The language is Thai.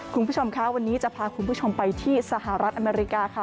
คุณผู้ชมคะวันนี้จะพาคุณผู้ชมไปที่สหรัฐอเมริกาค่ะ